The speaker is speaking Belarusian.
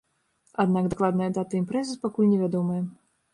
Аднак дакладная дата імпрэзы пакуль невядомая.